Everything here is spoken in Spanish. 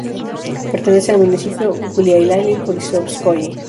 Pertenece al municipio Guliái-Borísovskoye.